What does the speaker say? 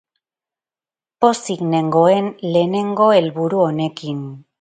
Pozik nengoen lehenengo helburu honekin.